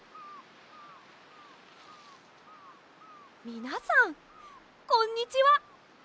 みなさんこんにちは。